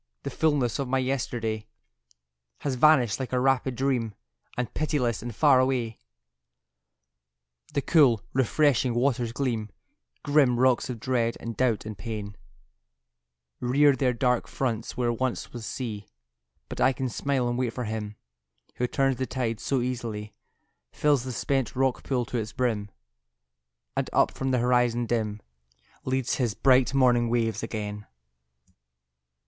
The fulness of my yesterday Has vanished like a rapid dream, And pitiless and far away The cool, refreshing waters gleam: Grim rocks of dread and doubt and pain Rear their dark fronts where once was sea; But I can smile and wait for Him Who turns the tides so easily, Fills the spent rock pool to its brim, And up from the horizon dim Leads His bright morning waves again.